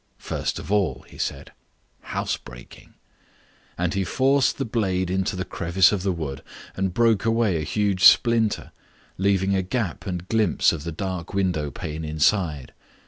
"First of all," he said, "house breaking." And he forced the blade into the crevice of the wood and broke away a huge splinter, leaving a gap and glimpse of the dark window pane inside.